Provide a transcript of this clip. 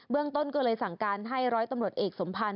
เรื่องต้นก็เลยสั่งการให้ร้อยตำรวจเอกสมพันธ์